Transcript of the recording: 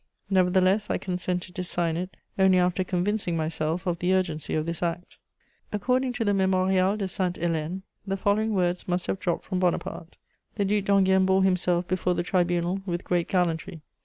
Nevertheless I consented to sign it only after convincing myself of the urgency of this act." According to the Mémorial de Sainte Hélène, the following words must have dropped from Bonaparte: "The Duc d'Enghien bore himself before the tribunal with great gallantry.